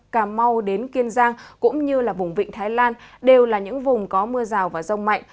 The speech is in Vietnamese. cà mau đến kiên giang cũng như vùng vịnh thái lan đều là những vùng có mưa rào và rông mạnh